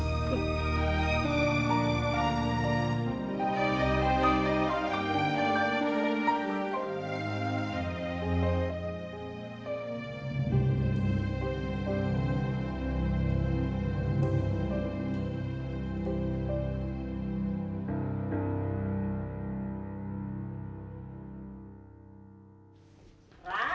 saya tidak akan memaksa